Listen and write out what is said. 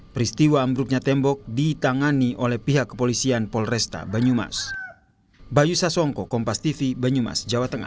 peristiwa ambruknya tembok ditangani oleh pihak kepolisian polresta banyumas